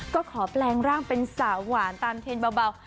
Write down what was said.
ก็ขอแปลงร่างเป็นสาวหวานตามเทนเบา